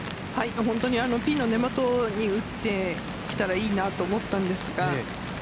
本当にピンの根元に打ってきたらいいなと思ったんですが。